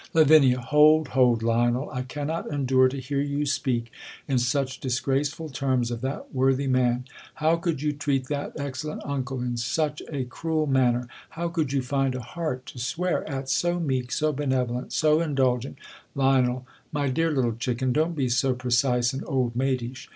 Lav, Hold, hold, Lionel! I cannot endure to hear you speak in such disgraceful terms of that worthy man. How could you treat that excellent uncle in T 2 such 222 THE COLUMBIAN ORATCJR: such a cruel manner ! How could you find a hearC ta swear at so meek, so benevolent, so indulgent Lion, My dear little chicken, don't be so precise and old maidish.